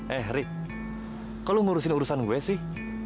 eh ri kok lu ngurusin urusan gue sih